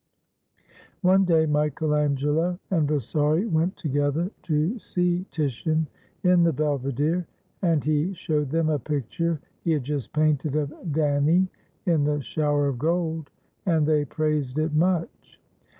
One day Michael Angelo and Vasari went together to 106 VASARI'S MEMORIES OF TITIAN see Titian in the Belvedere, and he showed them a picture he had just painted of Danae in the shower of gold, and they praised it much.